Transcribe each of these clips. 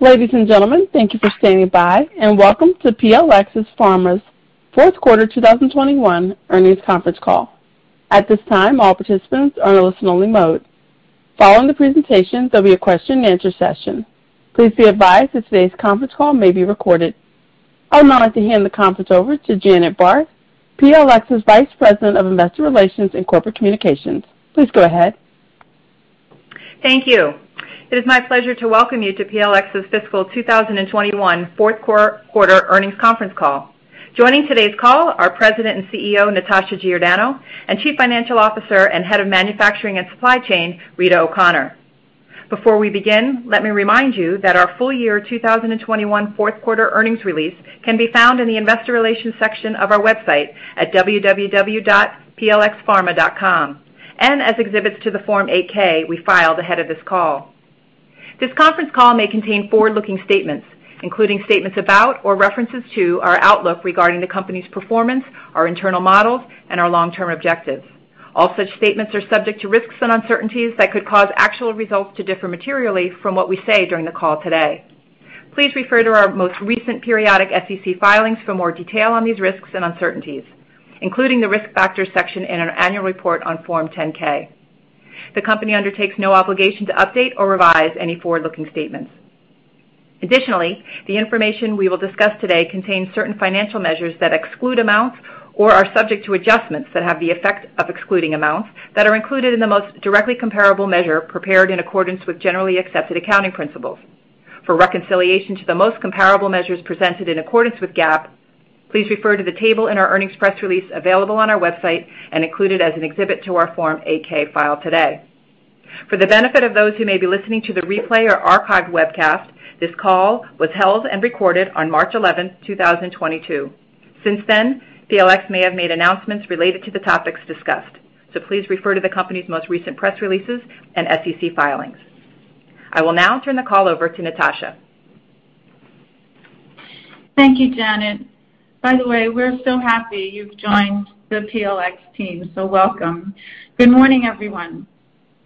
Ladies and gentlemen, thank you for standing by, and welcome to PLx Pharma's fourth quarter 2021 earnings conference call. At this time, all participants are in listen-only mode. Following the presentation, there'll be a question-and-answer session. Please be advised that today's conference call may be recorded. I would now like to hand the conference over to Janet Barth, PLx's Vice President of Investor Relations & Corporate Communications. Please go ahead. Thank you. It is my pleasure to welcome you to PLx's fiscal 2021 fourth quarter earnings conference call. Joining today's call are President and CEO, Natasha Giordano, and Chief Financial Officer and Head of Manufacturing and Supply Chain, Rita O'Connor. Before we begin, let me remind you that our full year 2021 fourth quarter earnings release can be found in the investor relations section of our website at www.plxpharma.com and as exhibits to the Form 8-K we filed ahead of this call. This conference call may contain forward-looking statements, including statements about or references to our outlook regarding the company's performance, our internal models, and our long-term objectives. All such statements are subject to risks and uncertainties that could cause actual results to differ materially from what we say during the call today. Please refer to our most recent periodic SEC filings for more detail on these risks and uncertainties, including the Risk Factors section in our annual report on Form 10-K. The company undertakes no obligation to update or revise any forward-looking statements. Additionally, the information we will discuss today contains certain financial measures that exclude amounts or are subject to adjustments that have the effect of excluding amounts that are included in the most directly comparable measure prepared in accordance with generally accepted accounting principles. For reconciliation to the most comparable measures presented in accordance with GAAP, please refer to the table in our earnings press release available on our website and included as an exhibit to our Form 8-K filed today. For the benefit of those who may be listening to the replay or archived webcast, this call was held and recorded on March 11, 2022. Since then, PLx may have made announcements related to the topics discussed, so please refer to the company's most recent press releases and SEC filings. I will now turn the call over to Natasha. Thank you, Janet. By the way, we're so happy you've joined the PLx team, so welcome. Good morning, everyone.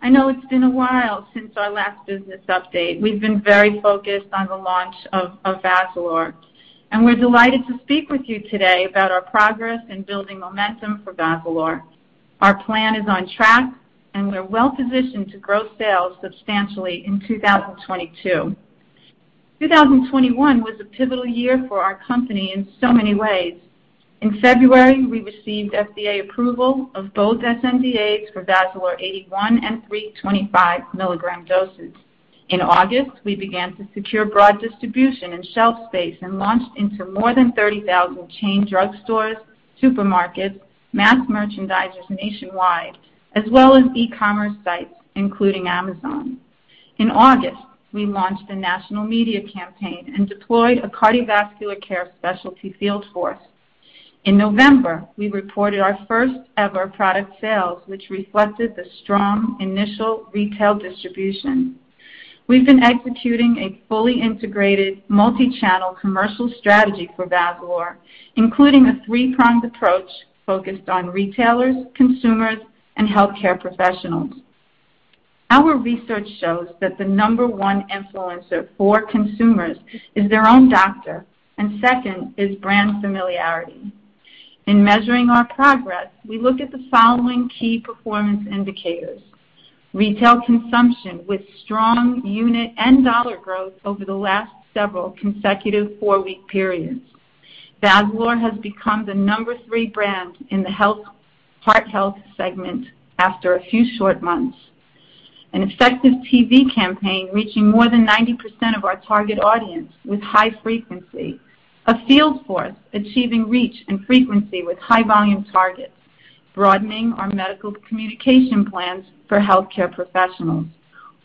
I know it's been a while since our last business update. We've been very focused on the launch of Vazalore, and we're delighted to speak with you today about our progress in building momentum for Vazalore. Our plan is on track, and we're well-positioned to grow sales substantially in 2022. 2021 was a pivotal year for our company in so many ways. In February, we received FDA approval of both sNDAs for Vazalore 81 and 325 milligram doses. In August, we began to secure broad distribution and shelf space, and launched into more than 30,000 chain drugstores, supermarkets, mass merchandisers nationwide, as well as e-commerce sites, including Amazon. In August, we launched a national media campaign, and deployed a cardiovascular care specialty field force. In November, we reported our first-ever product sales, which reflected the strong initial retail distribution. We've been executing a fully integrated multi-channel commercial strategy for Vazalore, including a three-pronged approach focused on retailers, consumers, and healthcare professionals. Our research shows that the number one influencer for consumers is their own doctor, and second is brand familiarity. In measuring our progress, we look at the following key performance indicators. Retail consumption with strong unit and dollar growth over the last several consecutive four-week periods. Vazalore has become the number three brand in the heart health segment after a few short months. An effective TV campaign reaching more than 90% of our target audience with high frequency. A field force achieving reach and frequency with high-volume targets. Broadening our medical communication plans for healthcare professionals.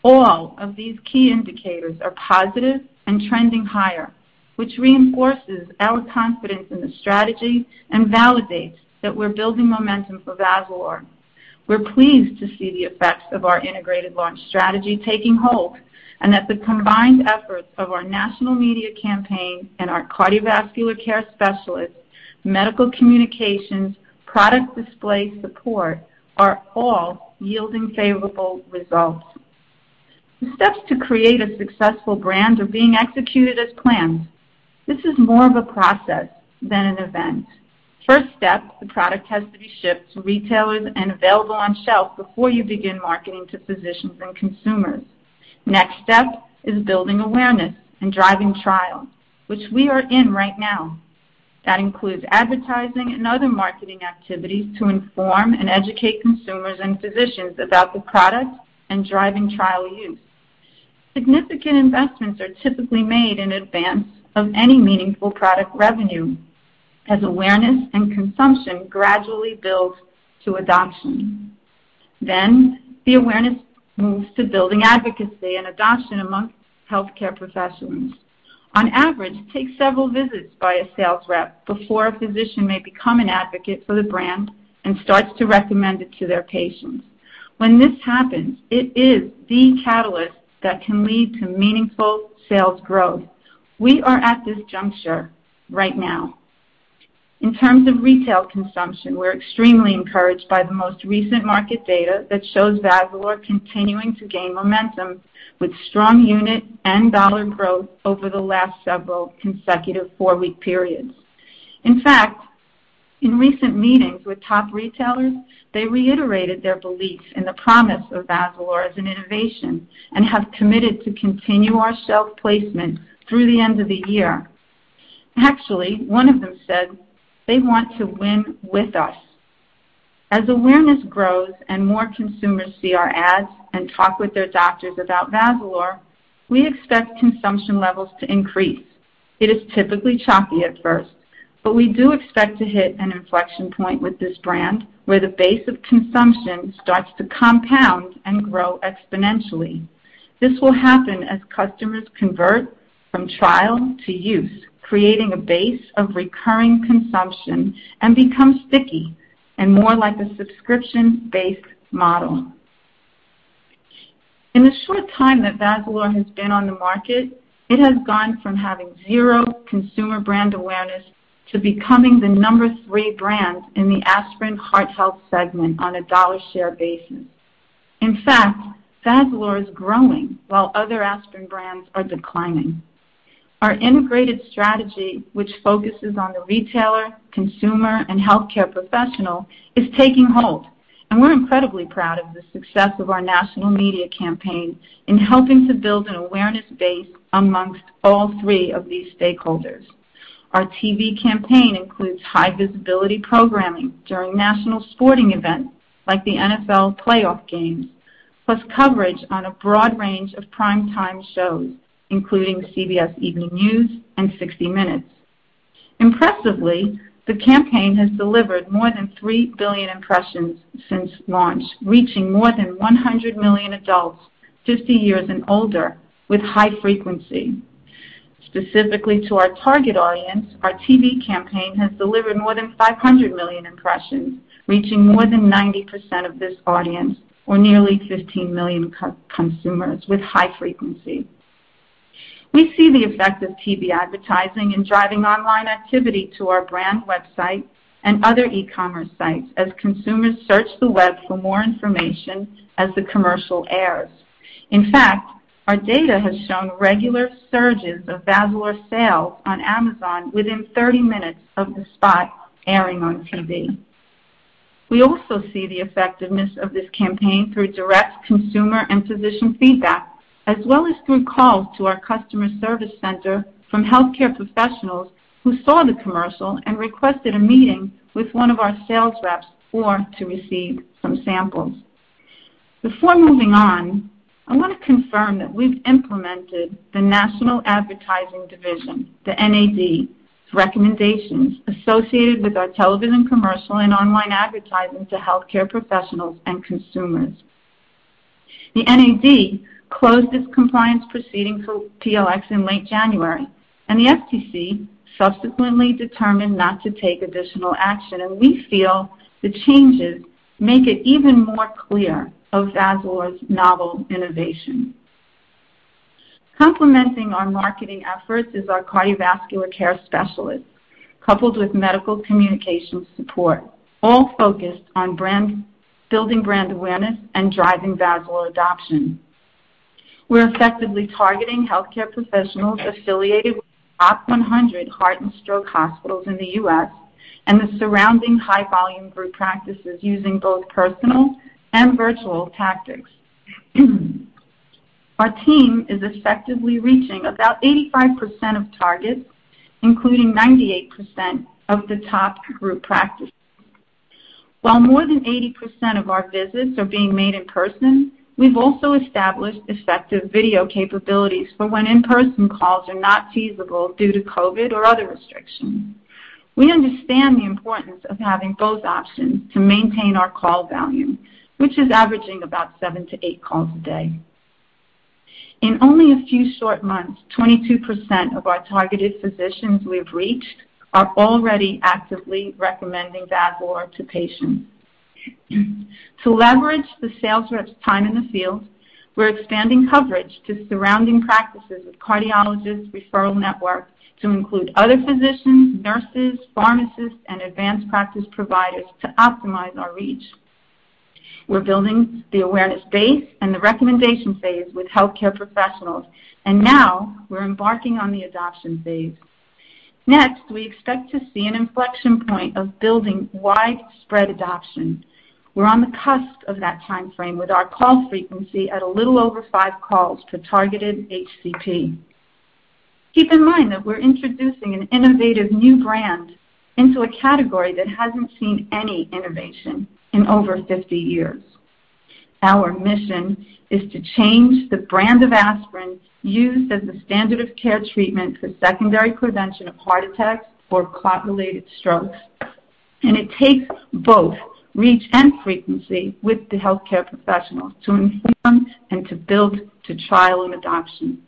All of these key indicators are positive, and trending higher, which reinforces our confidence in the strategy and validates that we're building momentum for Vazalore. We're pleased to see the effects of our integrated launch strategy taking hold and that the combined efforts of our national media campaign and our cardiovascular care specialists, medical communications, product display support are all yielding favorable results. The steps to create a successful brand are being executed as planned. This is more of a process than an event. First step, the product has to be shipped to retailers, and available on shelf before you begin marketing to physicians and consumers. Next step is building awareness and driving trial, which we are in right now. That includes advertising and other marketing activities to inform and educate consumers and physicians about the product and driving trial use. Significant investments are typically made in advance of any meaningful product revenue as awareness and consumption gradually build to adoption. The awareness moves to building advocacy, and adoption amongst healthcare professionals. On average, it takes several visits by a sales rep before a physician may become an advocate for the brand and starts to recommend it to their patients. When this happens, it is the catalyst that can lead to meaningful sales growth. We are at this juncture right now. In terms of retail consumption, we're extremely encouraged by the most recent market data that shows Vazalore continuing to gain momentum with strong unit and dollar growth over the last several consecutive four-week periods. In fact, in recent meetings with top retailers, they reiterated their belief in the promise of Vazalore as an innovation and have committed to continue our shelf placement through the end of the year. Actually, one of them said they want to win with us. As awareness grows and more consumers see our ads, and talk with their doctors about Vazalore, we expect consumption levels to increase. It is typically choppy at first, but we do expect to hit an inflection point with this brand where the base of consumption starts to compound and grow exponentially. This will happen as customers convert from trial to use, creating a base of recurring consumption and become sticky, and more like a subscription-based model. In the short time that Vazalore has been on the market, it has gone from having zero consumer brand awareness to becoming the number three brand in the aspirin heart health segment on a dollar share basis. In fact, Vazalore is growing while other aspirin brands are declining. Our integrated strategy, which focuses on the retailer, consumer, and healthcare professional, is taking hold, and we're incredibly proud of the success of our national media campaign in helping to build an awareness base amongst all three of these stakeholders. Our TV campaign includes high visibility programming during national sporting events like the NFL playoff games, plus coverage on a broad range of primetime shows, including CBS Evening News and 60 Minutes. Impressively, the campaign has delivered more than 3 billion impressions since launch, reaching more than 100 million adults 50 years and older with high frequency. Specifically to our target audience, our TV campaign has delivered more than 500 million impressions, reaching more than 90% of this audience or nearly 15 million co-consumers with high frequency. We see the effect of TV advertising in driving online activity to our brand website and other e-commerce sites as consumers search the web for more information as the commercial airs. In fact, our data has shown regular surges of Vazalore sales on Amazon within 30 minutes of the spot airing on TV. We also see the effectiveness of this campaign through direct consumer and physician feedback, as well as through calls to our customer service center from healthcare professionals who saw the commercial and requested a meeting with one of our sales reps to receive some samples. Before moving on, I want to confirm that we've implemented the National Advertising Division, the NAD, recommendations associated with our television commercial and online advertising to healthcare professionals, and consumers. The NAD closed its compliance proceeding for PLx in late January, and the FTC subsequently determined not to take additional action. We feel the changes make it even more clear of Vazalore's novel innovation. Complementing our marketing efforts is our cardiovascular care specialists, coupled with medical communication support, all focused on building brand awareness and driving Vazalore adoption. We're effectively targeting healthcare professionals affiliated with the top 100 heart and stroke hospitals in the U.S. and the surrounding high volume group practices using both personal and virtual tactics. Our team is effectively reaching about 85% of targets, including 98% of the top group practices. While more than 80% of our visits are being made in person, we've also established effective video capabilities for when in-person calls are not feasible due to COVID or other restrictions. We understand the importance of having both options to maintain our call volume, which is averaging about seven to eight calls a day. In only a few short months, 22% of our targeted physicians we've reached are already actively recommending Vazalore to patients. To leverage the sales reps time in the field, we're expanding coverage to surrounding practices of cardiologists referral network to include other physicians, nurses, pharmacists, and advanced practice providers to optimize our reach. We're building the awareness base and the recommendation phase with healthcare professionals, and now we're embarking on the adoption phase. Next, we expect to see an inflection point of building widespread adoption. We're on the cusp of that timeframe with our call frequency at a little over five calls to targeted HCP. Keep in mind that we're introducing an innovative new brand into a category that hasn't seen any innovation in over 50 years. Our mission is to change the brand of aspirin used as the standard of care treatment for secondary prevention of heart attacks or clot related strokes. It takes both reach, and frequency with the healthcare professionals to inform and to build to trial and adoption.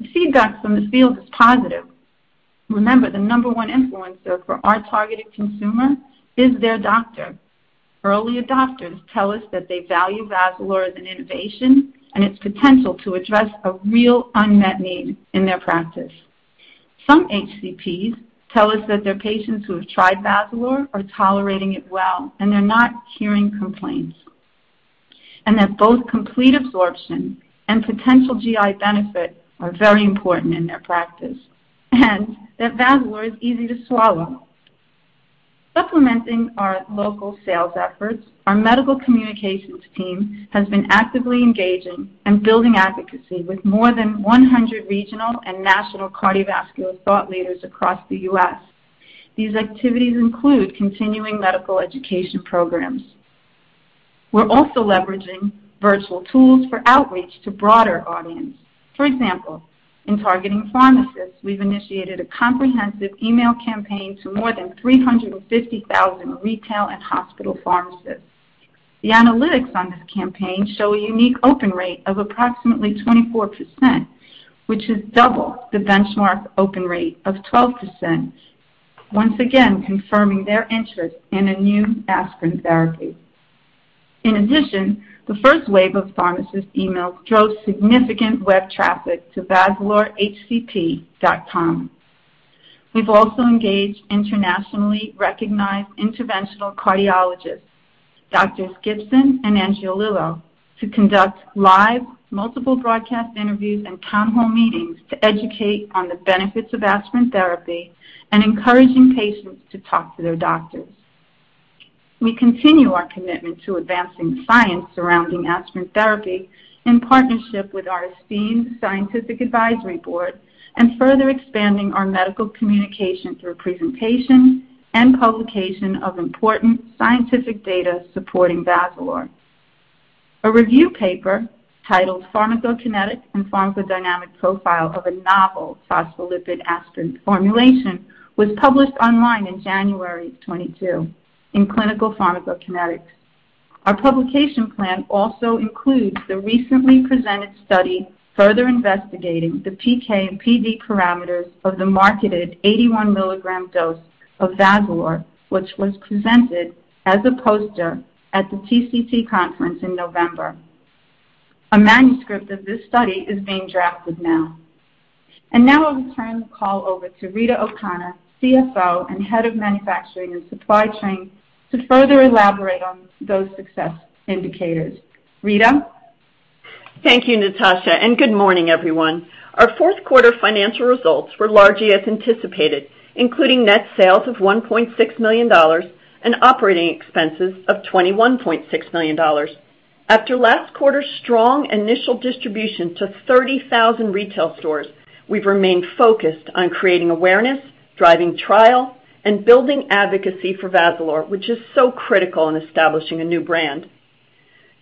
The feedback from the field is positive. Remember, the number one influencer for our targeted consumer is their doctor. Early adopters tell us that they value Vazalore as an innovation and its potential to address a real unmet need in their practice. Some HCPs tell us that their patients who have tried Vazalore are tolerating it well, and they're not hearing complaints, and that both complete absorption and potential GI benefit are very important in their practice, and that Vazalore is easy to swallow. Supplementing our local sales efforts, our medical communications team has been actively engaging and building advocacy with more than 100 regional and national cardiovascular thought leaders across the U.S. These activities include continuing medical education programs. We're also leveraging virtual tools for outreach to broader audience. For example, in targeting pharmacists, we've initiated a comprehensive email campaign to more than 350,000 retail and hospital pharmacists. The analytics on this campaign show a unique open rate of approximately 24%, which is double the benchmark open rate of 12%, once again confirming their interest in a new aspirin therapy. In addition, the first wave of pharmacist emails drove significant web traffic to vazalorehcp.com. We've also engaged internationally recognized interventional cardiologists, Doctors Gibson and Angiolillo, to conduct live multiple broadcast interviews and town hall meetings to educate on the benefits of aspirin therapy and encouraging patients to talk to their doctors. We continue our commitment to advancing science surrounding aspirin therapy in partnership with our esteemed scientific advisory board and further expanding our medical communication through presentation, and publication of important scientific data supporting Vazalore. A review paper titled Pharmacokinetic and Pharmacodynamic Profile of a Novel Phospholipid Aspirin Formulation was published online in January 2022 in Clinical Pharmacokinetics. Our publication plan also includes the recently presented study, further investigating the PK and PD parameters of the marketed 81 mg dose of Vazalore, which was presented as a poster at the TCT conference in November. A manuscript of this study is being drafted now. Now I'll turn the call over to Rita O'Connor, CFO and Head of Manufacturing and Supply Chain, to further elaborate on those success indicators. Rita. Thank you, Natasha, and good morning, everyone. Our fourth quarter financial results were largely as anticipated, including net sales of $1.6 million and operating expenses of $21.6 million. After last quarter's strong initial distribution to 30,000 retail stores, we've remained focused on creating awareness, driving trial, and building advocacy for Vazalore, which is so critical in establishing a new brand.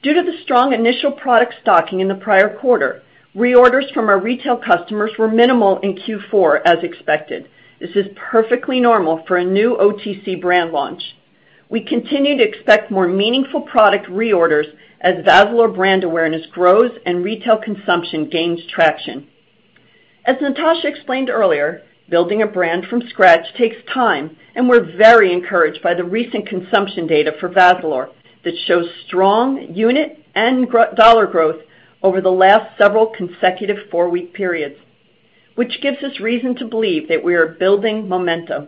Due to the strong initial product stocking in the prior quarter, reorders from our retail customers were minimal in Q4 as expected. This is perfectly normal for a new OTC brand launch. We continue to expect more meaningful product reorders as Vazalore brand awareness grows and retail consumption gains traction. As Natasha explained earlier, building a brand from scratch takes time, and we're very encouraged by the recent consumption data for Vazalore that shows strong unit and gross dollar growth over the last several consecutive four-week periods, which gives us reason to believe that we are building momentum.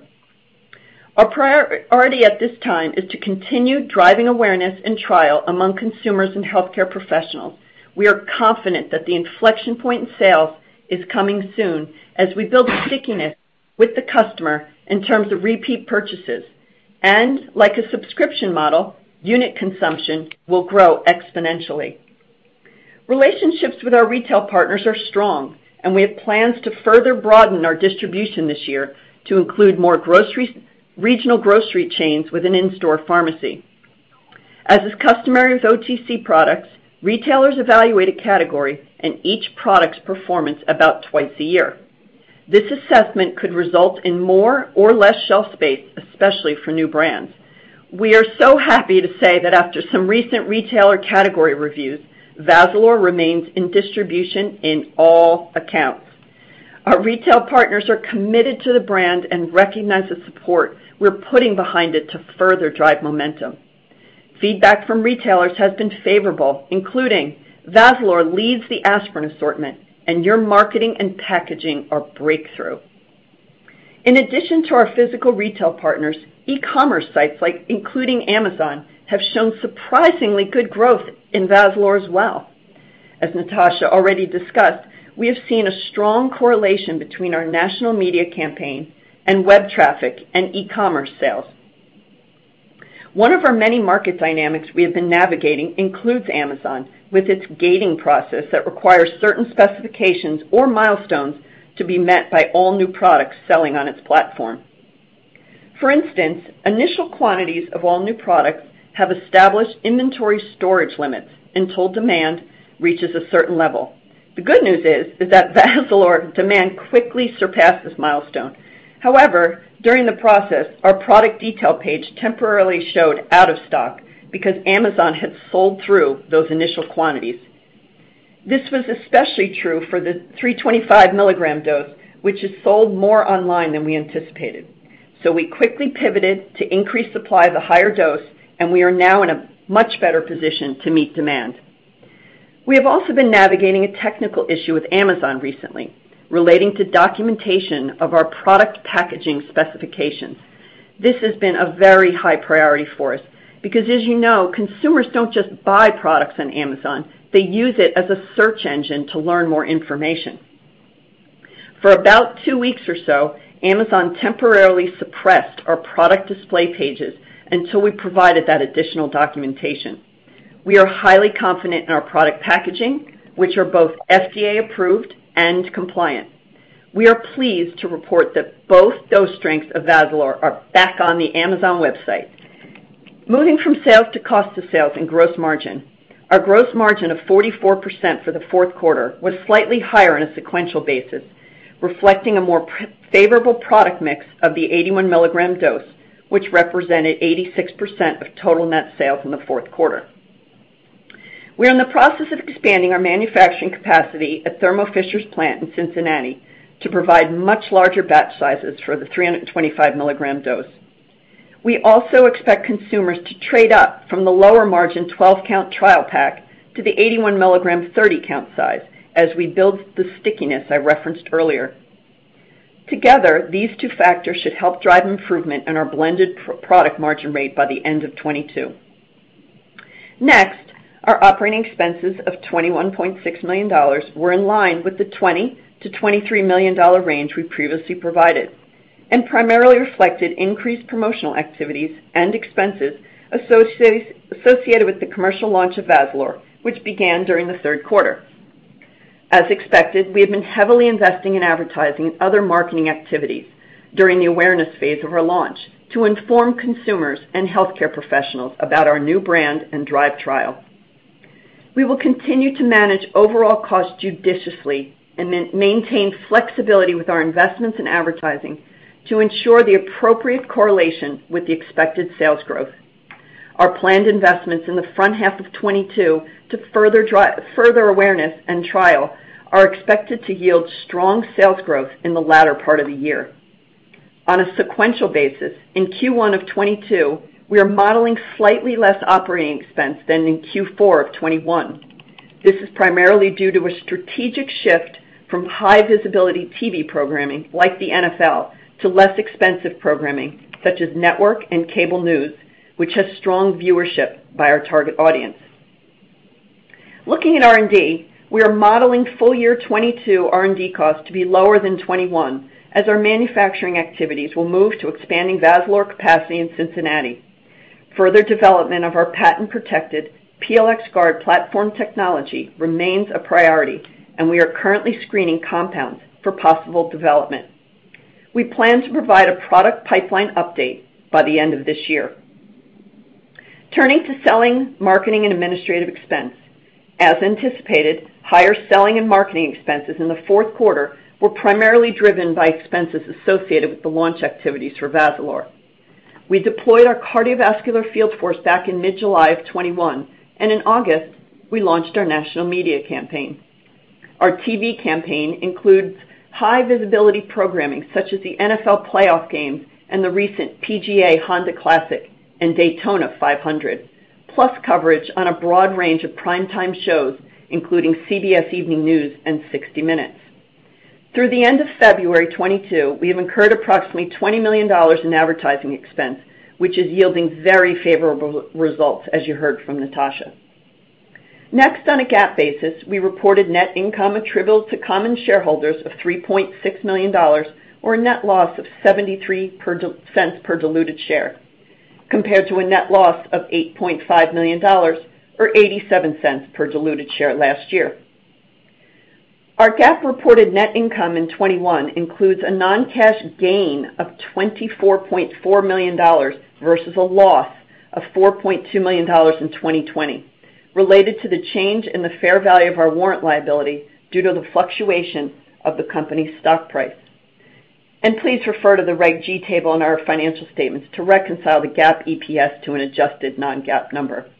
Our priority at this time is to continue driving awareness and trial among consumers and healthcare professionals. We are confident that the inflection point in sales is coming soon as we build stickiness with the customer in terms of repeat purchases. Like a subscription model, unit consumption will grow exponentially. Relationships with our retail partners are strong, and we have plans to further broaden our distribution this year to include more regional grocery chains with an in-store pharmacy. As is customary with OTC products, retailers evaluate a category and each product's performance about twice a year. This assessment could result in more or less shelf space, especially for new brands. We are so happy to say that after some recent retailer category reviews, Vazalore remains in distribution in all accounts. Our retail partners are committed to the brand and recognize the support we're putting behind it to further drive momentum. Feedback from retailers has been favorable, including, "Vazalore leads the aspirin assortment, and your marketing and packaging are breakthrough." In addition to our physical retail partners, e-commerce sites like including Amazon, have shown surprisingly good growth in Vazalore as well. As Natasha already discussed, we have seen a strong correlation between our national media campaign and web traffic and e-commerce sales. One of our many market dynamics we have been navigating includes Amazon, with its gating process that requires certain specifications or milestones to be met by all new products selling on its platform. For instance, initial quantities of all new products have established inventory storage limits until demand reaches a certain level. The good news is that Vazalore demand quickly surpassed this milestone. However, during the process, our product detail page temporarily showed out of stock because Amazon had sold through those initial quantities. This was especially true for the 325 mg dose, which is sold more online than we anticipated. We quickly pivoted to increase supply of the higher dose, and we are now in a much better position to meet demand. We have also been navigating a technical issue with Amazon recently, relating to documentation of our product packaging specifications. This has been a very high priority for us because as you know, consumers don't just buy products on Amazon, they use it as a search engine to learn more information. For about two weeks or so, Amazon temporarily suppressed our product display pages until we provided that additional documentation. We are highly confident in our product packaging, which are both FDA approved and compliant. We are pleased to report that both dose strengths of Vazalore are back on the Amazon website. Moving from sales to cost of sales and gross margin. Our gross margin of 44% for the fourth quarter was slightly higher on a sequential basis, reflecting a more favorable product mix of the 81 milligram dose, which represented 86% of total net sales in the fourth quarter. We are in the process of expanding our manufacturing capacity at Thermo Fisher's plant in Cincinnati to provide much larger batch sizes for the 325 milligram dose. We also expect consumers to trade up from the lower margin 12-count trial pack to the 81 milligram 30-count size as we build the stickiness I referenced earlier. Together, these two factors should help drive improvement in our blended product margin rate by the end of 2022. Next, our operating expenses of $21.6 million were in line with the $20-$23 million range we previously provided, and primarily reflected increased promotional activities and expenses associated with the commercial launch of Vazalore, which began during the third quarter. As expected, we have been heavily investing in advertising and other marketing activities during the awareness phase of our launch to inform consumers and healthcare professionals about our new brand and drive trial. We will continue to manage overall costs judiciously and then maintain flexibility with our investments in advertising to ensure the appropriate correlation with the expected sales growth. Our planned investments in the front half of 2022 to further awareness and trial are expected to yield strong sales growth in the latter part of the year. On a sequential basis, in Q1 of 2022, we are modeling slightly less operating expense than in Q4 of 2021. This is primarily due to a strategic shift from high visibility TV programming like the NFL to less expensive programming such as network and cable news, which has strong viewership by our target audience. Looking at R&D, we are modeling full year 2022 R&D costs to be lower than 2021 as our manufacturing activities will move to expanding Vazalore capacity in Cincinnati. Further development of our patent-protected PLxGuard platform technology remains a priority, and we are currently screening compounds for possible development. We plan to provide a product pipeline update by the end of this year. Turning to selling, marketing, and administrative expense. As anticipated, higher selling, and marketing expenses in the fourth quarter were primarily driven by expenses associated with the launch activities for Vazalore. We deployed our cardiovascular field force back in mid-July 2021, and in August, we launched our national media campaign. Our TV campaign includes high visibility programming such as the NFL playoff games and the recent PGA Honda Classic and Daytona 500, plus coverage on a broad range of primetime shows, including CBS Evening News and 60 Minutes. Through the end of February 2022, we have incurred approximately $20 million in advertising expense, which is yielding very favorable results, as you heard from Natasha. Next, on a GAAP basis, we reported net income attributable to common shareholders of $3.6 million, or a net loss of $0.73 per diluted share, compared to a net loss of $8.5 million or $0.87 per diluted share last year. Our GAAP reported net income in 2021 includes a non-cash gain of $24.4 million versus a loss of $4.2 million in 2020, related to the change in the fair value of our warrant liability due to the fluctuation of the company's stock price. Please refer to the Reg G table in our financial statements to reconcile the GAAP EPS to an adjusted non-GAAP number.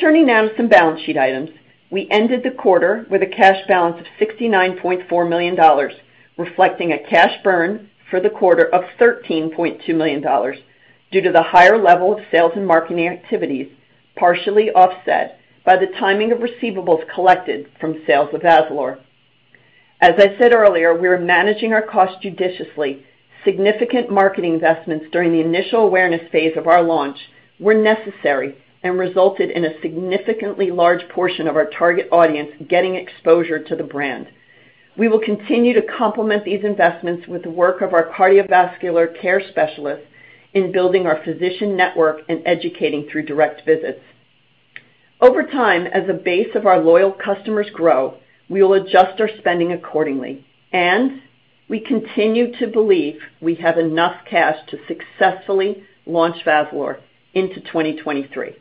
Turning now to some balance sheet items. We ended the quarter with a cash balance of $69.4 million, reflecting a cash burn for the quarter of $13.2 million due to the higher level of sales and marketing activities, partially offset by the timing of receivables collected from sales of Vazalore. As I said earlier, we are managing our cost judiciously. Significant marketing investments during the initial awareness phase of our launch were necessary and resulted in a significantly large portion of our target audience getting exposure to the brand. We will continue to complement these investments with the work of our cardiovascular care specialists in building our physician network and educating through direct visits. Over time, as the base of our loyal customers grow, we will adjust our spending accordingly, and we continue to believe we have enough cash to successfully launch Vazalore into 2023.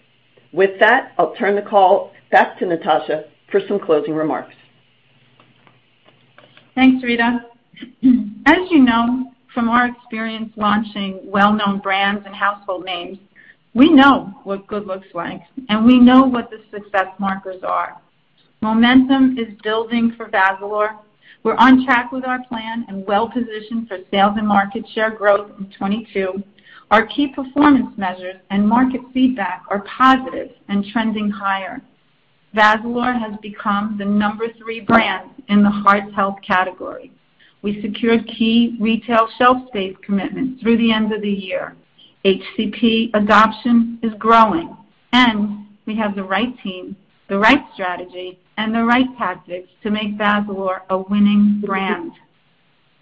With that, I'll turn the call back to Natasha for some closing remarks. Thanks, Rita. As you know from our experience launching well-known brands and household names, we know what good looks like, and we know what the success markers are. Momentum is building for Vazalore. We're on track with our plan and well-positioned for sales and market share growth in 2022. Our key performance measures and market feedback are positive and trending higher. Vazalore has become the number three brand in the heart health category. We secured key retail shelf space commitments through the end of the year. HCP adoption is growing, and we have the right team, the right strategy, and the right tactics to make Vazalore a winning brand.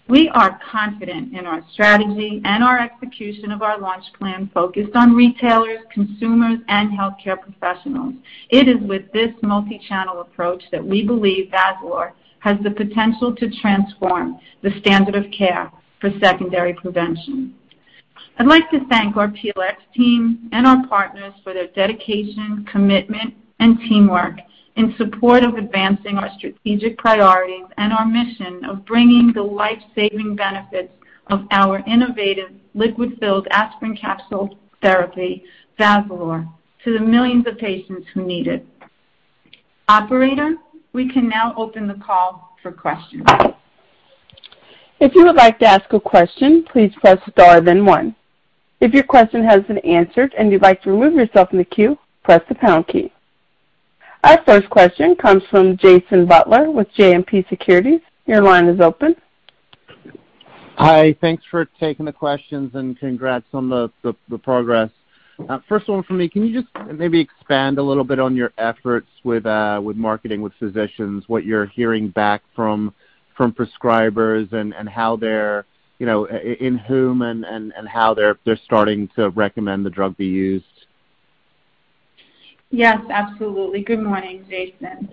We are confident in our strategy and our execution of our launch plan focused on retailers, consumers, and healthcare professionals. It is with this multi-channel approach that we believe Vazalore has the potential to transform the standard of care for secondary prevention. I'd like to thank our PLx team and our partners for their dedication, commitment, and teamwork in support of advancing our strategic priorities and our mission of bringing the life-saving benefits of our innovative liquid-filled aspirin capsule therapy, Vazalore, to the millions of patients who need it. Operator, we can now open the call for questions. Our first question comes from Jason Butler with JMP Securities. Your line is open. Hi. Thanks for taking the questions, and congrats on the progress. First of all for me, can you just maybe expand a little bit on your efforts with marketing with physicians, what you're hearing back from prescribers, and how they're, you know, in whom and how they're starting to recommend the drug be used? Yes, absolutely. Good morning, Jason.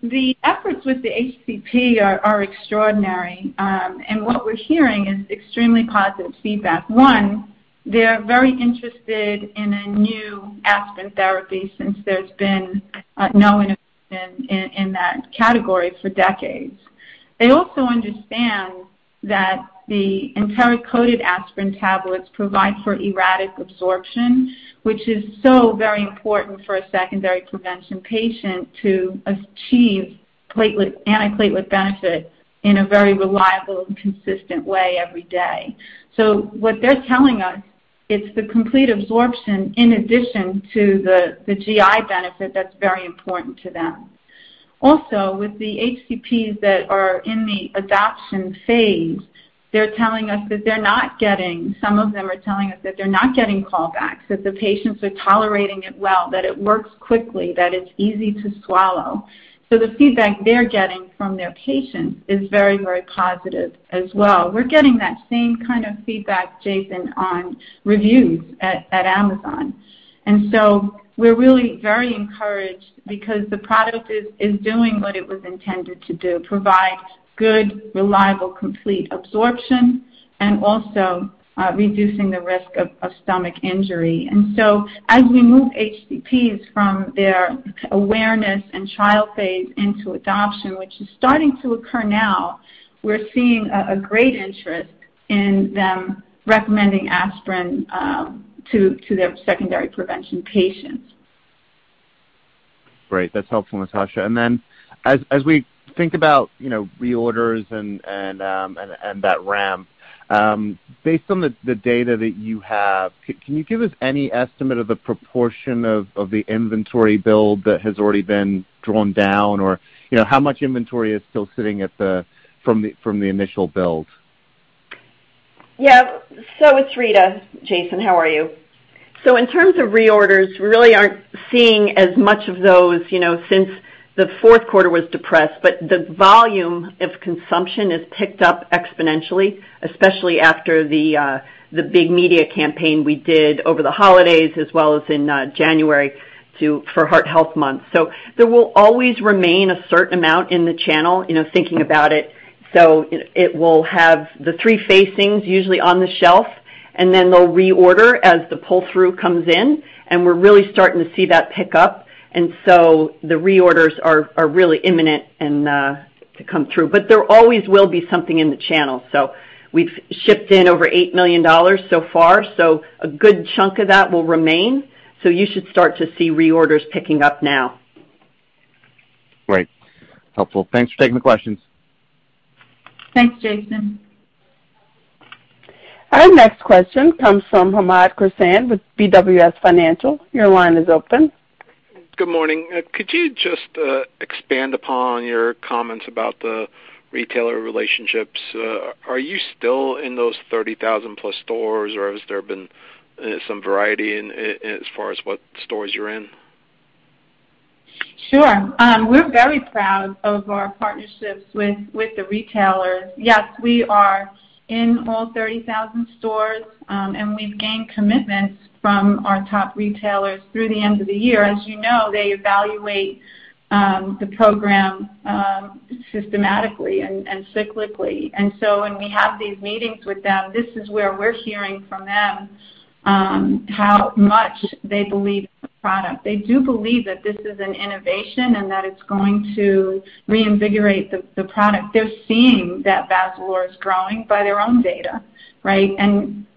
The efforts with the HCP are extraordinary, and what we're hearing is extremely positive feedback. One, they're very interested in a new aspirin therapy since there's been no innovation in that category for decades. They also understand that the enteric-coated aspirin tablets provide for erratic absorption, which is so very important for a secondary prevention patient to achieve platelet antiplatelet benefit in a very reliable and consistent way every day. So what they're telling us, it's the complete absorption in addition to the GI benefit that's very important to them. Also, with the HCPs that are in the adoption phase, they're telling us that they're not getting callbacks, that the patients are tolerating it well, that it works quickly, that it's easy to swallow. The feedback they're getting from their patients is very, very positive as well. We're getting that same kind of feedback, Jason, on reviews at Amazon. We're really very encouraged because the product is doing what it was intended to do, provide good, reliable, complete absorption and also reducing the risk of stomach injury. As we move HCPs from their awareness and trial phase into adoption, which is starting to occur now, we're seeing a great interest in them recommending aspirin to their secondary prevention patients. Great. That's helpful, Natasha. Then as we think about, you know, reorders and that ramp, based on the data that you have, can you give us any estimate of the proportion of the inventory build that has already been drawn down? Or, you know, how much inventory is still sitting from the initial build? Yeah. It's Rita. Jason, how are you? In terms of reorders, we really aren't seeing as much of those, you know, since the fourth quarter was depressed, but the volume of consumption has picked up exponentially, especially after the big media campaign we did over the holidays as well as in January for American Heart Month. There will always remain a certain amount in the channel, you know, thinking about it. It will have the three facings usually on the shelf, and then they'll reorder as the pull-through comes in, and we're really starting to see that pick up. The reorders are really imminent and to come through. There always will be something in the channel. We've shipped in over $8 million so far, so a good chunk of that will remain. You should start to see reorders picking up now. Great. Helpful. Thanks for taking the questions. Thanks, Jason. Our next question comes from Hamed Khorsand with BWS Financial. Your line is open. Good morning. Could you just expand upon your comments about the retailer relationships? Are you still in those 30,000+ stores, or has there been some variety insofar as what stores you're in? Sure. We're very proud of our partnerships with the retailers. Yes, we are in all 30,000 stores, and we've gained commitments from our top retailers through the end of the year. As you know, they evaluate the program systematically and cyclically. When we have these meetings with them, this is where we're hearing from them how much they believe in the product. They do believe that this is an innovation and that it's going to reinvigorate the product. They're seeing that Vazalore is growing by their own data, right?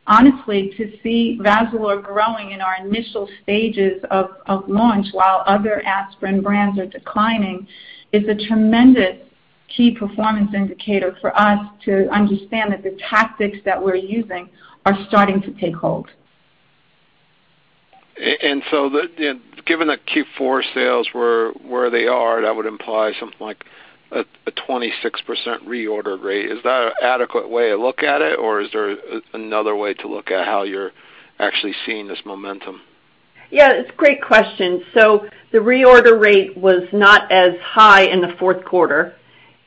Honestly, to see Vazalore growing in our initial stages of launch while other aspirin brands are declining is a tremendous Key performance indicator for us to understand that the tactics that we're using are starting to take hold. Given that Q4 sales were where they are, that would imply something like a 26% reorder rate. Is that an adequate way to look at it, or is there another way to look at how you're actually seeing this momentum? Yeah, it's a great question. The reorder rate was not as high in the fourth quarter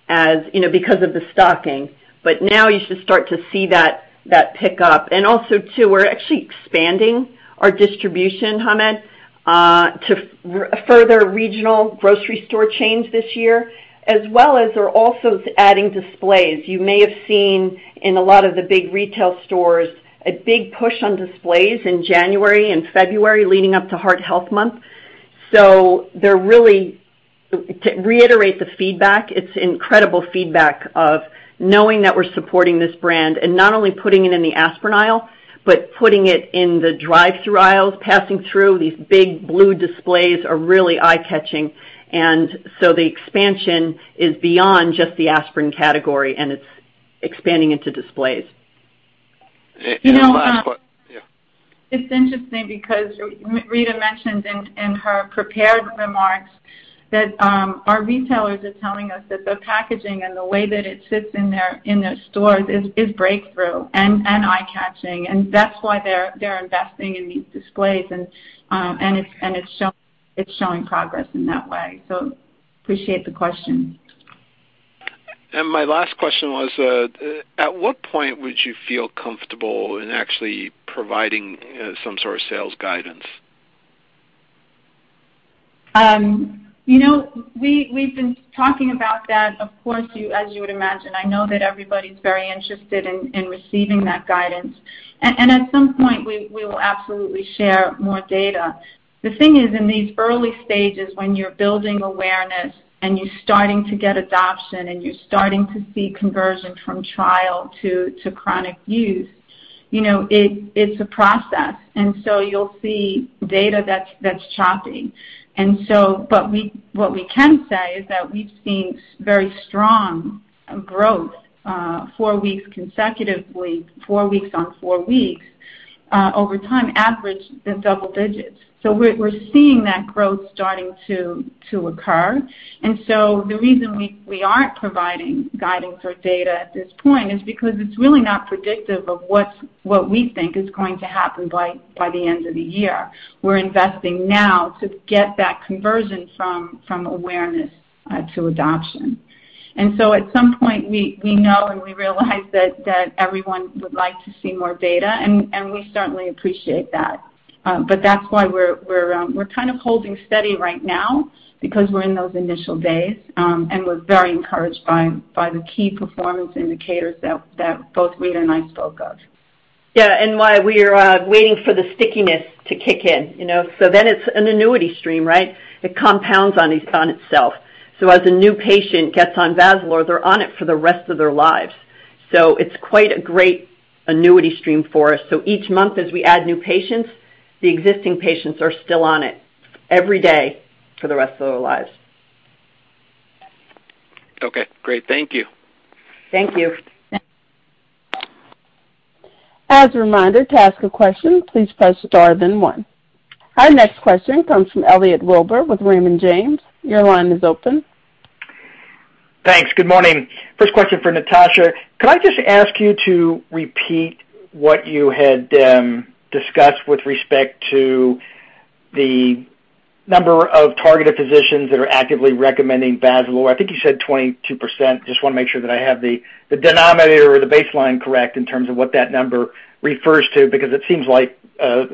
as, you know, because of the stocking. Now you should start to see that pick up. Also too, we're actually expanding our distribution, Hamed, to further regional grocery store chains this year, as well as we're also adding displays. You may have seen in a lot of the big retail stores a big push on displays in January and February leading up to American Heart Month. They're really to reiterate the feedback. It's incredible feedback of knowing that we're supporting this brand and not only putting it in the aspirin aisle, but putting it in the drive-thru aisles. Passing through these big blue displays are really eye-catching. The expansion is beyond just the aspirin category, and it's expanding into displays. Yeah. It's interesting because Rita mentioned in her prepared remarks that our retailers are telling us that the packaging and the way that it sits in their stores is breakthrough and eye-catching. That's why they're investing in these displays. It's showing progress in that way. I appreciate the question. My last question was, at what point would you feel comfortable in actually providing some sort of sales guidance? You know, we've been talking about that, of course, as you would imagine. I know that everybody's very interested in receiving that guidance. At some point, we will absolutely share more data. The thing is, in these early stages, when you're building awareness and you're starting to get adoption and you're starting to see conversion from trial to chronic use, you know, it's a process. You'll see data that's choppy. But what we can say is that we've seen very strong growth four weeks consecutively, four weeks on four weeks over time average in double digits. We're seeing that growth starting to occur. The reason we aren't providing guidance or data at this point is because it's really not predictive of what we think is going to happen by the end of the year. We're investing now to get that conversion from awareness to adoption. At some point, we know and we realize that everyone would like to see more data, and we certainly appreciate that. That's why we're kind of holding steady right now because we're in those initial days, and we're very encouraged by the key performance indicators that both Rita and I spoke of. Yeah. Why we are waiting for the stickiness to kick in, you know. Then it's an annuity stream, right? It compounds on itself. As a new patient gets on Vazalore, they're on it for the rest of their lives. It's quite a great annuity stream for us. Each month, as we add new patients, the existing patients are still on it every day for the rest of their lives. Okay, great. Thank you. Thank you. Thank you. As a reminder, to ask a question, please press star then one. Our next question comes from Elliot Wilbur with Raymond James. Your line is open. Thanks. Good morning. First question for Natasha. Could I just ask you to repeat what you had discussed with respect to the number of targeted physicians that are actively recommending Vazalore? I think you said 22%. Just wanna make sure that I have the denominator or the baseline correct in terms of what that number refers to, because it seems like a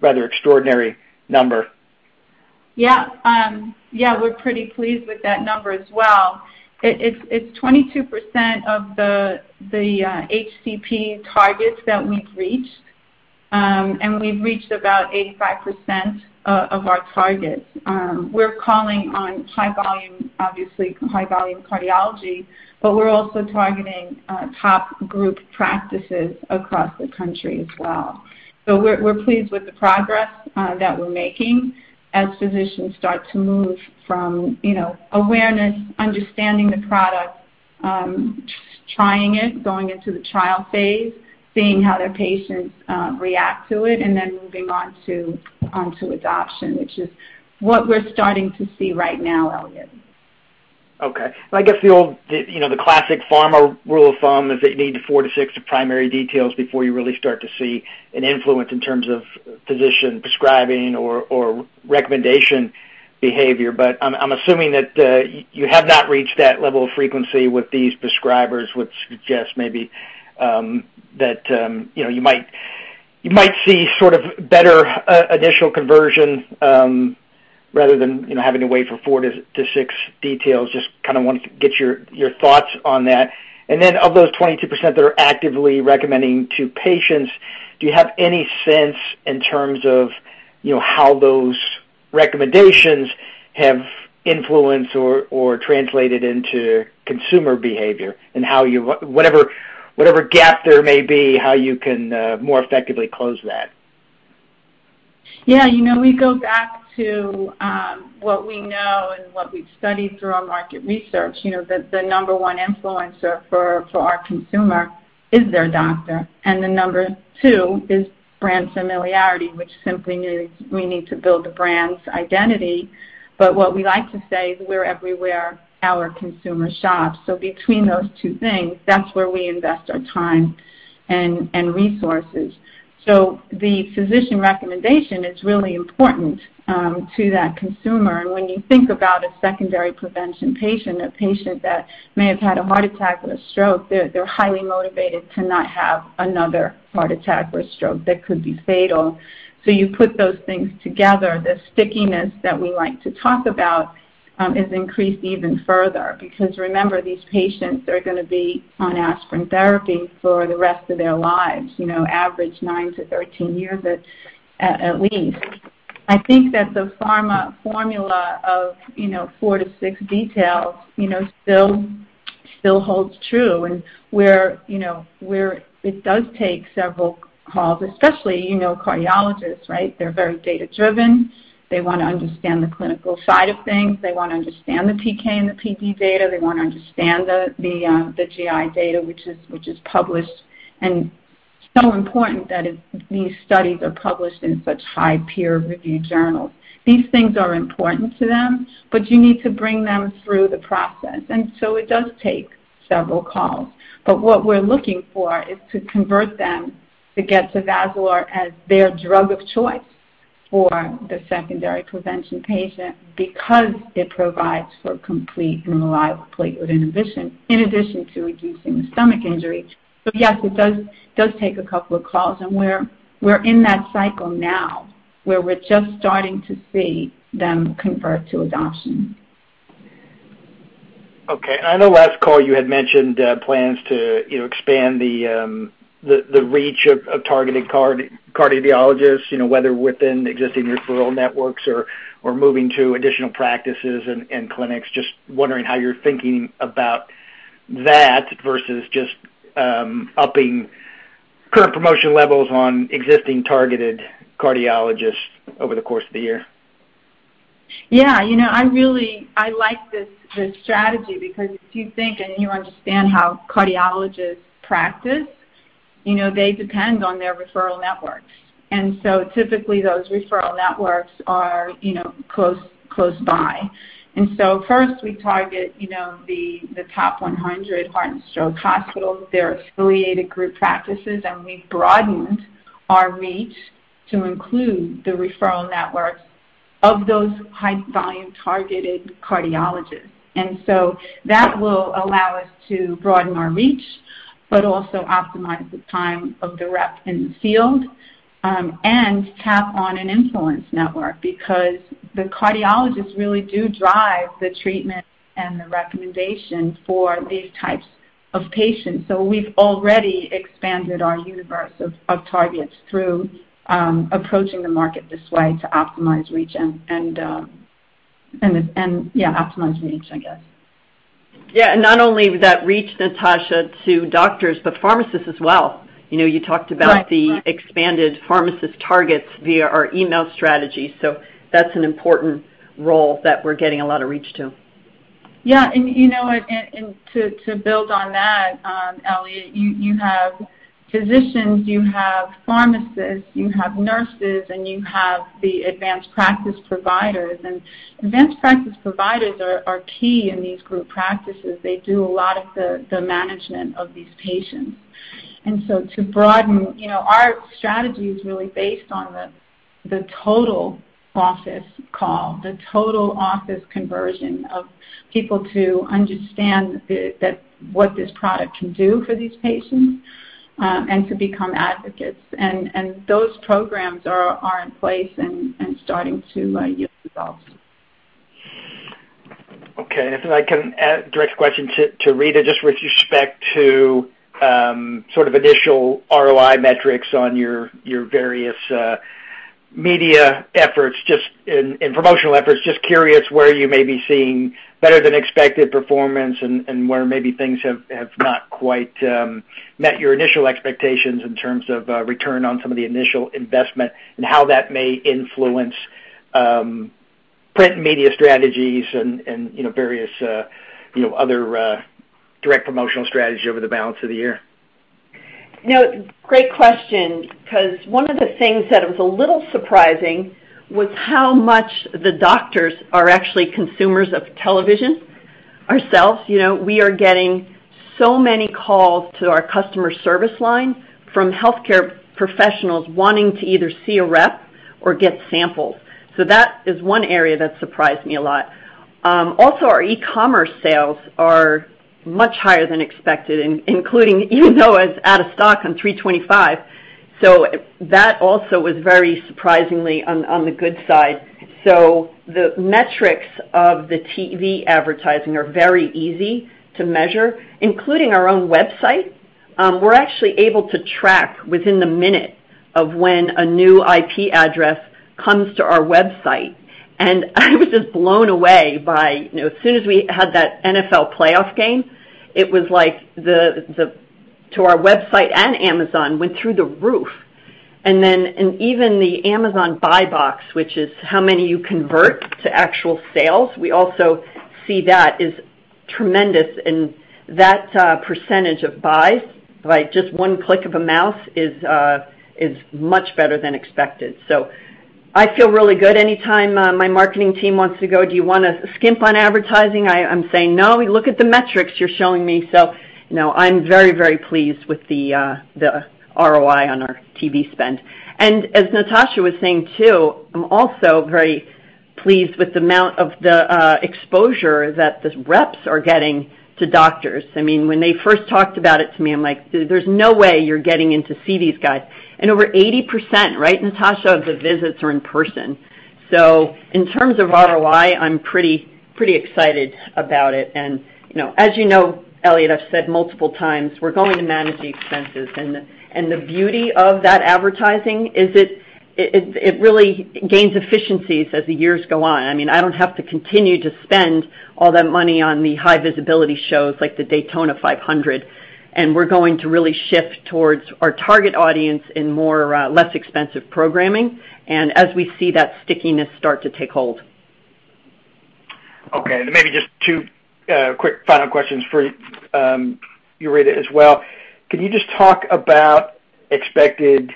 rather extraordinary number. Yeah. Yeah, we're pretty pleased with that number as well. It's 22% of the HCP targets that we've reached, and we've reached about 85% of our targets. We're calling on high volume, obviously high volume cardiology, but we're also targeting top group practices across the country as well. We're pleased with the progress that we're making as physicians start to move from, you know, awareness, understanding the product, trying it, going into the trial phase, seeing how their patients react to it, and then moving on to adoption, which is what we're starting to see right now, Elliott. Okay. I guess the old, you know, the classic pharma rule of thumb is that you need four to six primary details before you really start to see an influence in terms of physician prescribing or recommendation behavior. I'm assuming that you have not reached that level of frequency with these prescribers, which suggests maybe that you know, you might see sort of better initial conversion rather than, you know, having to wait for four to six details. Just kinda wanted to get your thoughts on that. Then of those 22% that are actively recommending to patients, do you have any sense in terms of, you know, how those recommendations have influenced or translated into consumer behavior and how you can, whatever gap there may be, more effectively close that? Yeah, you know, we go back to what we know and what we've studied through our market research. You know, the number one influencer for our consumer is their doctor. The number two is brand familiarity, which simply means we need to build the brand's identity. What we like to say is we're everywhere our consumer shops. Between those two things, that's where we invest our time and resources. The physician recommendation is really important to that consumer. When you think about a secondary prevention patient, a patient that may have had a heart attack or a stroke, they're highly motivated to not have another heart attack or a stroke that could be fatal. You put those things together, the stickiness that we like to talk about is increased even further because remember, these patients are gonna be on aspirin therapy for the rest of their lives, you know, average nine to thirteen years at least. I think that the pharma formula of, you know, four to six details, you know, still holds true. It does take several calls, especially, you know, cardiologists, right? They're very data-driven. They wanna understand the clinical side of things. They wanna understand the PK and the PD data. They wanna understand the GI data, which is published. It's so important that these studies are published in such high peer-reviewed journals. These things are important to them, but you need to bring them through the process. It does take several calls. What we're looking for is to convert them to get Vazalore as their drug of choice for the secondary prevention patient because it provides for complete and reliable platelet inhibition in addition to reducing the stomach injury. Yes, it does take a couple of calls. We're in that cycle now, where we're just starting to see them convert to adoption. Okay. I know last call you had mentioned plans to, you know, expand the reach of targeted cardiologists, you know, whether within existing referral networks or moving to additional practices and clinics. Just wondering how you're thinking about that versus just upping current promotion levels on existing targeted cardiologists over the course of the year? Yeah. You know, I really like this strategy because if you think and you understand how cardiologists practice, you know, they depend on their referral networks. Typically those referral networks are, you know, close by. First we target, you know, the top 100 heart and stroke hospitals, their affiliated group practices, and we've broadened our reach to include the referral networks of those high volume targeted cardiologists. That will allow us to broaden our reach, but also optimize the time of the rep in the field, and tap on an influence network because the cardiologists really do drive the treatment and the recommendation for these types of patients. We've already expanded our universe of targets through approaching the market this way to optimize reach, I guess. Yeah, not only that reach, Natasha, to doctors, but pharmacists as well. You know, you talked about. Right. Right. the expanded pharmacist targets via our email strategy, so that's an important role that we're getting a lot of reach to. Yeah. You know what? To build on that, Elliott, you have physicians, you have pharmacists, you have nurses, and you have the advanced practice providers. Advanced practice providers are key in these group practices. They do a lot of the management of these patients. You know, our strategy is really based on the total office call, the total office conversion of people to understand what this product can do for these patients, and to become advocates. Those programs are in place and starting to yield results. Okay. If I can add direct question to Rita, just with respect to sort of initial ROI metrics on your various media efforts just and promotional efforts. Just curious where you may be seeing better than expected performance and where maybe things have not quite met your initial expectations in terms of return on some of the initial investment and how that may influence print and media strategies and you know various you know other direct promotional strategy over the balance of the year. You know, great question 'cause one of the things that was a little surprising was how much the doctors are actually consumers of television ourselves. You know, we are getting so many calls to our customer service line from healthcare professionals wanting to either see a rep or get samples. That is one area that surprised me a lot. Also our e-commerce sales are much higher than expected including even though it's out of stock on 325. That also was very surprisingly on the good side. The metrics of the TV advertising are very easy to measure, including our own website. We're actually able to track within the minute of when a new IP address comes to our website. I was just blown away by, you know, as soon as we had that NFL playoff game, it was like the traffic to our website and Amazon went through the roof. Even the Amazon buy box, which is how many you convert to actual sales, we also see that is tremendous. That percentage of buys by just one click of a mouse is much better than expected. I feel really good anytime my marketing team wants to go, "Do you wanna skimp on advertising?" I'm saying, "No, look at the metrics you're showing me." You know, I'm very, very pleased with the ROI on our TV spend. As Natasha was saying too, I'm also very pleased with the amount of the exposure that the reps are getting to doctors. I mean, when they first talked about it to me, I'm like, "There's no way you're getting in to see these guys." Over 80%, right, Natasha, of the visits are in person. In terms of ROI, I'm pretty excited about it. You know, as you know, Elliott, I've said multiple times, we're going to manage the expenses. The beauty of that advertising is it really gains efficiencies as the years go on. I mean, I don't have to continue to spend all that money on the high visibility shows like the Daytona 500, and we're going to really shift towards our target audience in more, less expensive programming, and as we see that stickiness start to take hold. Okay, maybe just two quick final questions for you, Rita, as well. Can you just talk about expected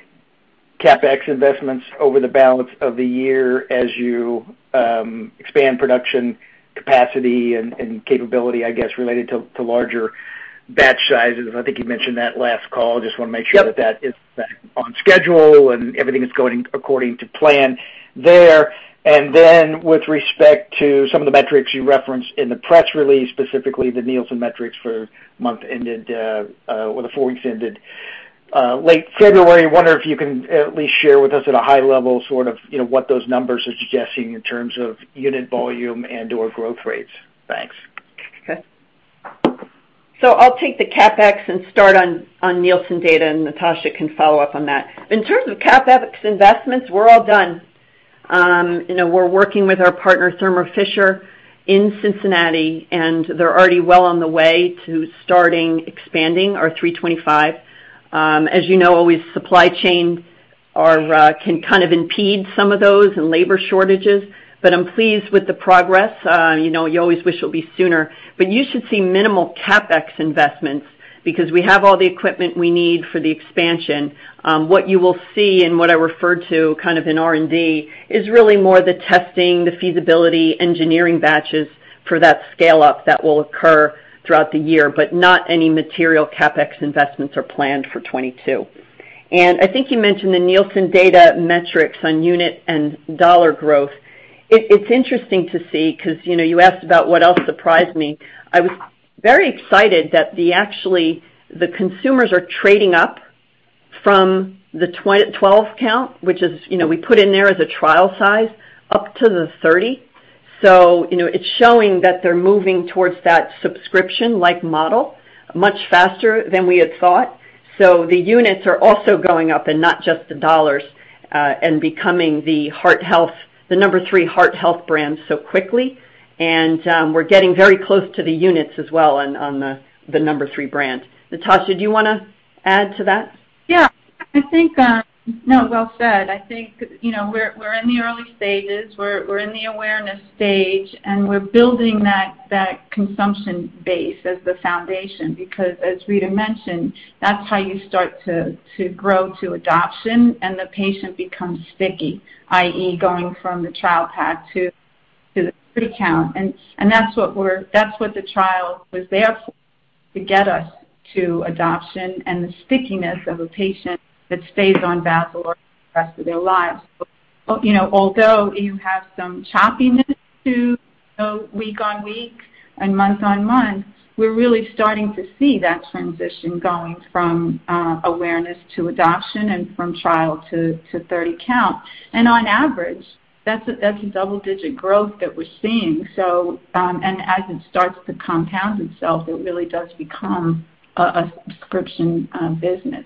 CapEx investments over the balance of the year as you expand production capacity and capability, I guess, related to larger batch sizes? I think you mentioned that last call. Just wanna make sure- Yep. that is on schedule and everything is going according to plan there. Then with respect to some of the metrics you referenced in the press release, specifically the Nielsen metrics for the month ended or the four weeks ended late February, I wonder if you can at least share with us at a high level sort of, you know, what those numbers are suggesting in terms of unit volume and/or growth rates. Thanks. Okay. I'll take the CapEx and start on Nielsen data, and Natasha can follow up on that. In terms of CapEx investments, we're all done. You know, we're working with our partner, Thermo Fisher, in Cincinnati, and they're already well on the way to starting expanding our 325. As you know, supply chain issues can kind of impede some of those and labor shortages, but I'm pleased with the progress. You know, you always wish it'll be sooner, but you should see minimal CapEx investments because we have all the equipment we need for the expansion. What you will see and what I referred to kind of in R&D is really more the testing, the feasibility, engineering batches for that scale-up that will occur throughout the year, but not any material CapEx investments are planned for 2022. I think you mentioned the Nielsen data metrics on unit and dollar growth. It's interesting to see 'cause, you know, you asked about what else surprised me. I was very excited that actually, the consumers are trading up from the 20-12 count, which is, you know, we put in there as a trial size, up to the 30. You know, it's showing that they're moving towards that subscription-like model much faster than we had thought. The units are also going up and not just the dollars, and becoming the number three heart health brand so quickly. We're getting very close to the units as well on the number three brand. Natasha, do you wanna add to that? No, well said. I think, you know, we're in the early stages. We're in the awareness stage, and we're building that consumption base as the foundation. Because as Rita mentioned, that's how you start to grow to adoption, and the patient becomes sticky, i.e., going from the trial pack to the 30 count. That's what the trial was there for, to get us to adoption and the stickiness of a patient that stays on Vazalore for the rest of their lives. You know, although you have some choppiness week-on-week and month-on-month, we're really starting to see that transition going from awareness to adoption and from trial to 30 count. On average, that's a double-digit growth that we're seeing. As it starts to compound itself, it really does become a subscription business.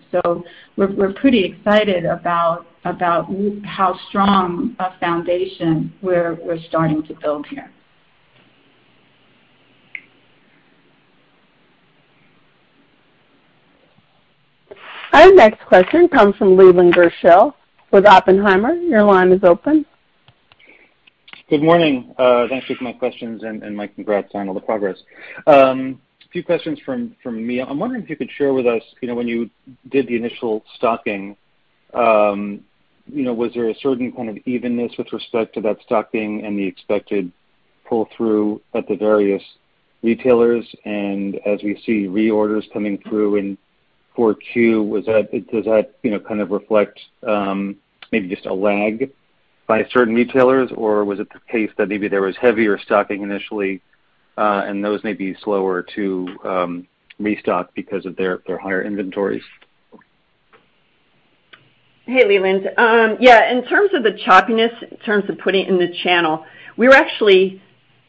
We're pretty excited about how strong a foundation we're starting to build here. Our next question comes from Leland Gershell with Oppenheimer. Your line is open. Good morning. Thanks for my questions and my congrats on all the progress. A few questions from me. I'm wondering if you could share with us, you know, when you did the initial stocking, you know, was there a certain kind of evenness with respect to that stocking and the expected pull-through at the various retailers? As we see reorders coming through in 4Q, does that, you know, kind of reflect, maybe just a lag by certain retailers, or was it the case that maybe there was heavier stocking initially, and those may be slower to restock because of their higher inventories? Hey, Leland. Yeah, in terms of the choppiness, in terms of putting in the channel, we're actually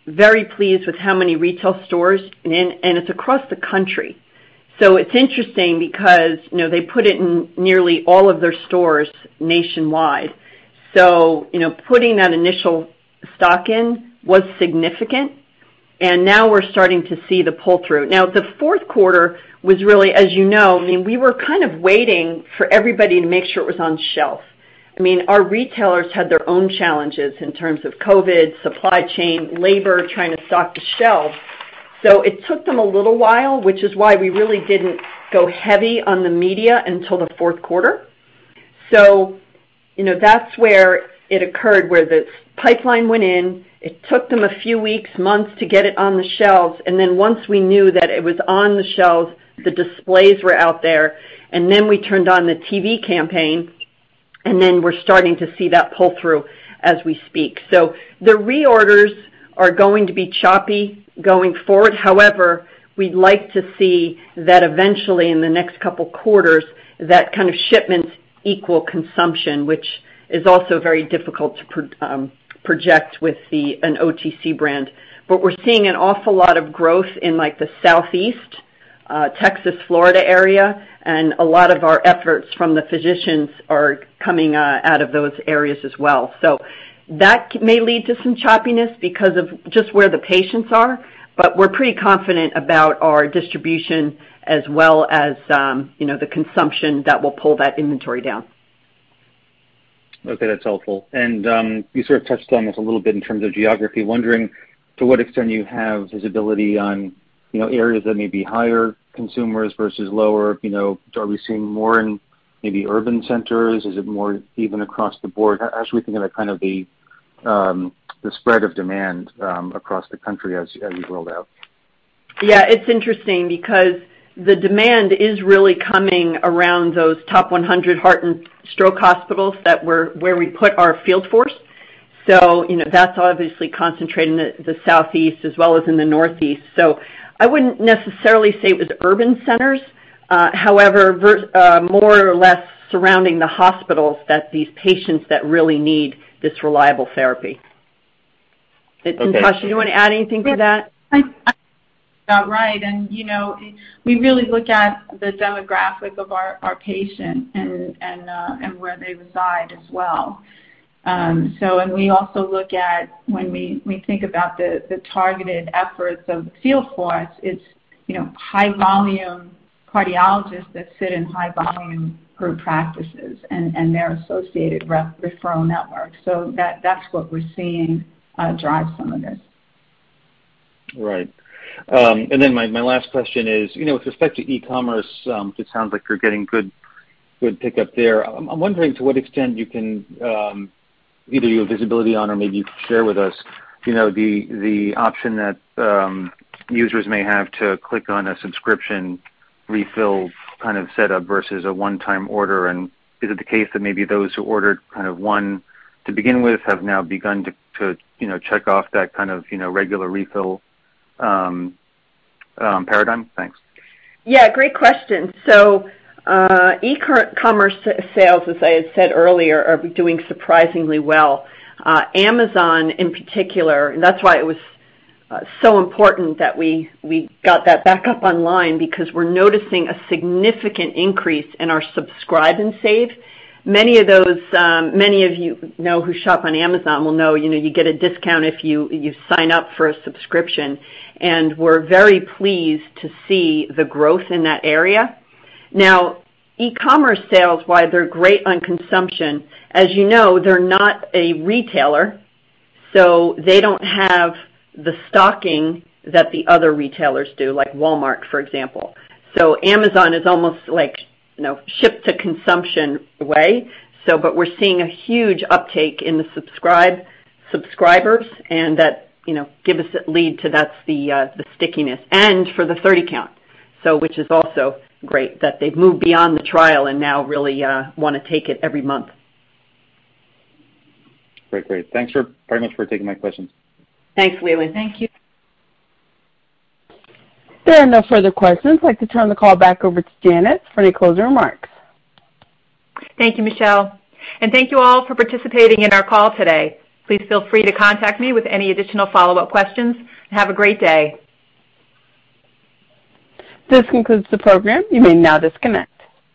very pleased with how many retail stores, and it's across the country. It's interesting because, you know, they put it in nearly all of their stores nationwide. You know, putting that initial stock in was significant. Now we're starting to see the pull-through. The fourth quarter was really, as you know, I mean, we were kind of waiting for everybody to make sure it was on shelf. I mean, our retailers had their own challenges in terms of COVID, supply chain, labor, trying to stock the shelves. It took them a little while, which is why we really didn't go heavy on the media until the fourth quarter. You know, that's where it occurred, where the pipeline went in. It took them a few weeks, months to get it on the shelves. Once we knew that it was on the shelves, the displays were out there, and then we turned on the TV campaign, and then we're starting to see that pull-through as we speak. The reorders are going to be choppy going forward. However, we'd like to see that eventually, in the next couple quarters, that kind of shipments equal consumption, which is also very difficult to project with an OTC brand. We're seeing an awful lot of growth in, like, the Southeast, Texas, Florida area, and a lot of our efforts from the physicians are coming out of those areas as well. that may lead to some choppiness because of just where the patients are, but we're pretty confident about our distribution as well as, you know, the consumption that will pull that inventory down. Okay, that's helpful. You sort of touched on this a little bit in terms of geography. Wondering to what extent you have visibility on, you know, areas that may be higher consumers versus lower. You know, are we seeing more in maybe urban centers? Is it more even across the board? I was actually thinking of kind of the spread of demand across the country as you've rolled out. Yeah, it's interesting because the demand is really coming around those top 100 heart and stroke hospitals that where we put our field force. You know, that's obviously concentrated in the Southeast as well as in the Northeast. I wouldn't necessarily say it was urban centers, however, more or less surrounding the hospitals that these patients that really need this reliable therapy. Okay. Natasha, do you want to add anything to that? Yeah. I think that's about right. You know, we really look at the demographic of our patients, and where they reside as well. We also look at when we think about the targeted efforts of the field force. It's you know, high volume cardiologists that sit in high volume group practices and their associated referral network. That's what we're seeing drive some of this. Right. My last question is, you know, with respect to e-commerce, it sounds like you're getting good pickup there. I'm wondering to what extent you can either your visibility on or maybe you can share with us, you know, the option that users may have to click on a subscription refill kind of set up versus a one-time order. Is it the case that maybe those who ordered kind of one to begin with have now begun to you know, check off that kind of regular refill paradigm? Thanks. Yeah, great question. E-commerce sales, as I had said earlier, are doing surprisingly well. Amazon in particular, that's why it was so important that we got that back up online because we're noticing a significant increase in our Subscribe & Save. Many of you know who shop on Amazon will know, you know, you get a discount if you sign up for a subscription, and we're very pleased to see the growth in that area. Now, e-commerce sales, while they're great on consumption, as you know, they're not a retailer, so they don't have the stocking that the other retailers do, like Walmart, for example. Amazon is almost like, you know, ship to consumption way. We're seeing a huge uptake in the Subscribe & Save subscribers and that, you know, give us a lead to that's the stickiness and for the 30 count, which is also great that they've moved beyond the trial and now really wanna take it every month. Great. Thanks much for taking my questions. Thanks, Leland. Thank you. There are no further questions. I'd like to turn the call back over to Janet for any closing remarks. Thank you, Michelle. Thank you all for participating in our call today. Please feel free to contact me with any additional follow-up questions. Have a great day. This concludes the program. You may now disconnect.